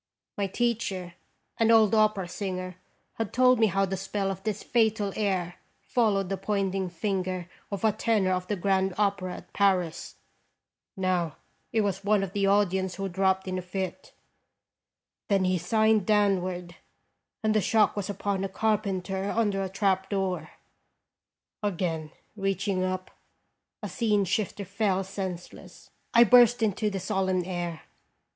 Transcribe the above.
My teacher, an old opera singer, had told me how the spell of this fatal air followed the pointing finger of a tenor of the Grand Opera at Paris : now it was one of the audience who dropped in a fit; then he signed downward, and the shock was upon a carpenter under a trap door; again, reaching up, a scene shifter fell senseless. I burst into the solemn air.